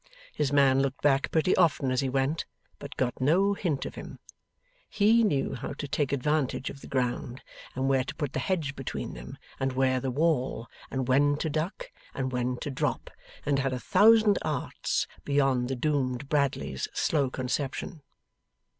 His man looked back pretty often as he went, but got no hint of him. HE knew how to take advantage of the ground, and where to put the hedge between them, and where the wall, and when to duck, and when to drop, and had a thousand arts beyond the doomed Bradley's slow conception.